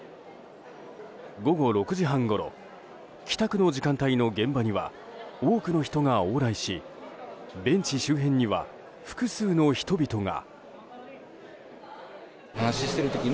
午後６時半ごろ帰宅の時間帯の現場には多くの人が往来しベンチ周辺には複数の人々が。